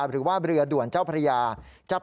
อันนั้นคือท่าจอดเรือด่วนเจ้าพญาเขาเลย